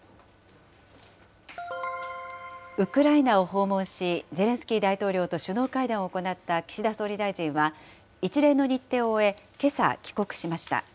ウクライナを訪問し、ゼレンスキー大統領と首脳会談を行った岸田総理大臣は、一連の日程を終え、けさ帰国しました。